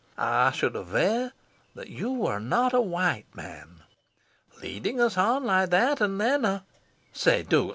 I should aver that you were not a white man. Leading us on like that, and then Say, Duke!